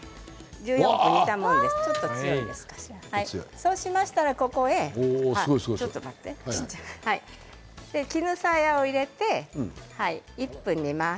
そうしましたらここに絹さやを入れて１分煮ます。